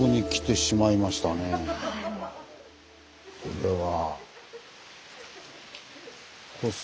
これは。